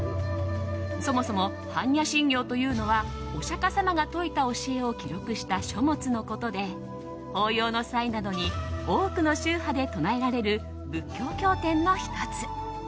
そもそも般若心経というのはお釈迦様が説いた教えを記録した書物のことで法要の際などに多くの宗派で唱えられる仏教経典の１つ。